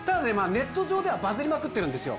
ネット上ではバズりまくってるんですよ